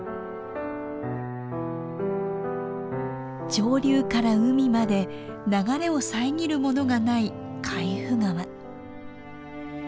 上流から海まで流れを遮るものがない海部川。